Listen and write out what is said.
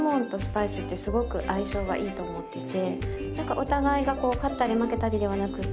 お互いがこう勝ったり負けたりではなくて。